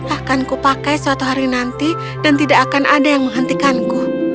akan kupakai suatu hari nanti dan tidak akan ada yang menghentikanku